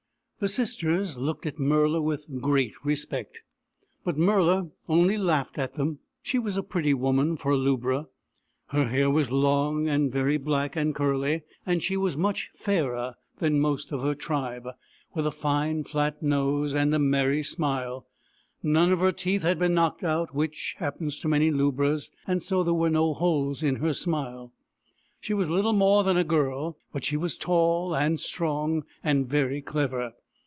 The sisters looked at Murla with great respect, but Murla only laughed at them. She was a pretty woman, for a lubra. Her hair was long and very black and curly, and she was much fairer than most of her tribe, with a fine flat nose and a merry smile. None of her teeth had been knocked out, which happens to many lubras, and so there were no holes in her smile. She was little more than a girl, but she was tall and strong, and very clever.